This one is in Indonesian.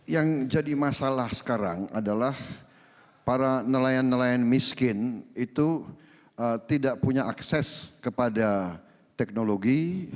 yang jadi masalah sekarang adalah para nelayan nelayan miskin itu tidak punya akses kepada teknologi